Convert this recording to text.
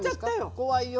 怖いよ？